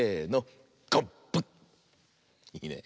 いいね。